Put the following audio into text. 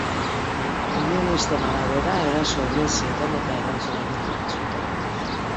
Unionisten arabera, eraso egin zieten eta erantzun egin zuten.